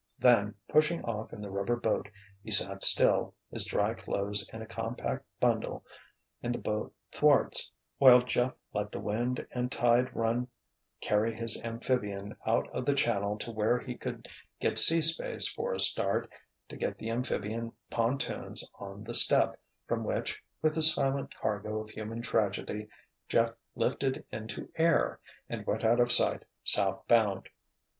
Then, pushing off in the rubber boat, he sat still, his dry clothes in a compact bundle in the boat thwarts, while Jeff let the wind and tide run carry his amphibian out of the channel to where he could get sea space for a start, to get the amphibian pontoons "on the step" from which, with his silent cargo of human tragedy, Jeff lifted into air and went out of sight, southbound.